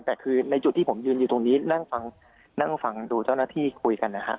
แต่คือในจุดที่ผมยืนอยู่ตรงนี้นั่งฟังนั่งฟังดูเจ้าหน้าที่คุยกันนะฮะ